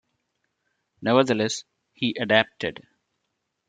Nevertheless, he adapted.